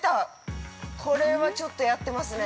これは、ちょっとやってますね。